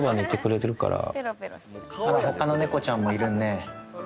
あら他の猫ちゃんもいるね。